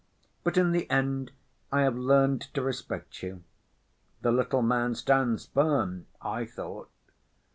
But in the end I have learned to respect you. The little man stands firm, I thought.